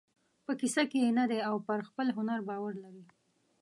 په کیسه کې یې نه دی او پر خپل هنر باور لري.